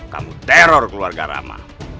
kamu teror keluarga rama